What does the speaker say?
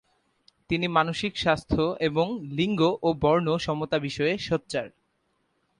তিনি মানসিক স্বাস্থ্য এবং লিঙ্গ ও বর্ণ সমতা বিষয়ে সোচ্চার।